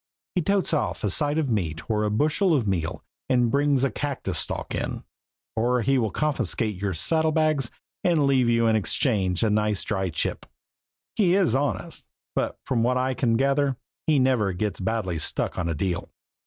He totes off a side of meat or a bushel of meal and brings a cactus stalk in; or he will confiscate your saddlebags and leave you in exchange a nice dry chip. He is honest, but from what I can gather he never gets badly stuck on a deal.